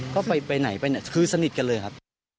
ก็ไปไหนไปเนี่ยคือสนิทกันเลยครับ